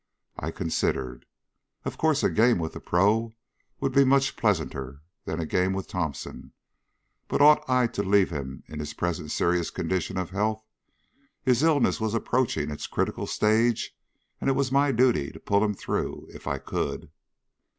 I considered. Of course a game with the pro. would be much pleasanter than a game with Thomson, but ought I to leave him in his present serious condition of health? His illness was approaching its critical stage, and it was my duty to pull him through if I could.